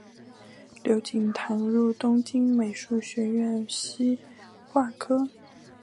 刘锦堂入东京美术学校西画科